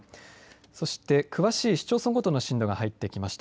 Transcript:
そして詳しい市町村ごとの震度が入ってきました。